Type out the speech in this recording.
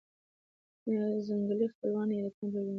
ځنګلي خپلوان یې کم پېژندل شوي دي.